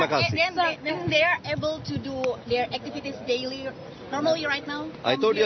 mereka menikmati latihan dan lainnya